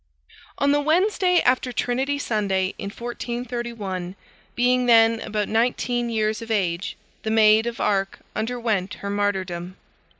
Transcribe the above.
On the Wednesday after Trinity Sunday in 1431, being then about nineteen years of age, the Maid of Arc underwent her martyrdom.